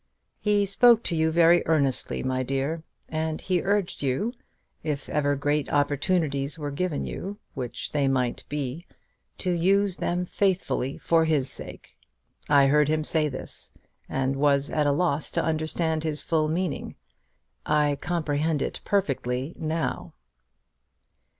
He spoke to you very earnestly, my dear; and he urged you, if ever great opportunities were given you, which they might be, to use them faithfully for his sake. I heard him say this, and was at a loss to understand his full meaning. I comprehend it perfectly now."